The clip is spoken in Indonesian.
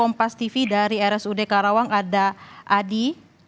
kompas tv dari rsud karawang ada adi